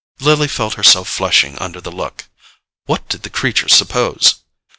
Lily felt herself flushing under the look. What did the creature suppose?